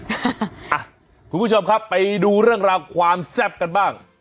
คุณผู้ชมครับไปดูเรื่องราวความแซ่บกันบ้าง